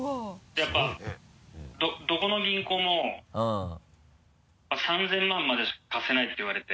やっぱりどこの銀行も３０００万までしか貸せないって言われて。